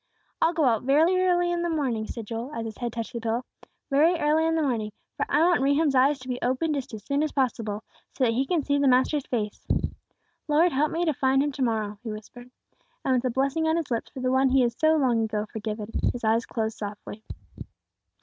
"I'll go out very early in the morning," said Joel, as his head touched the pillow. "Very early in the morning, for I want Rehum's eyes to be open just as soon as possible, so that he can see the Master's face. Lord help me to find him to morrow," he whispered, and with a blessing on his lips for the one he had so long ago forgiven, his eyes closed softly.